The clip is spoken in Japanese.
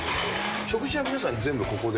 食事は皆さん、全部ここで？